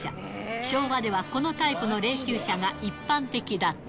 昭和ではこのタイプの霊きゅう車が一般的だった。